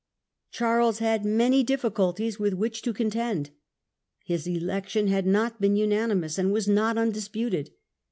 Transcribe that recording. Rivals for Charles had many difficulties with which to contend, e nipire jjjg election had not been unanimous and was not un disputed.